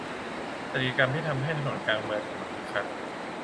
จัดกิจกรรมที่ทำให้ถนนกลางเมืองกลับมาคึกคัก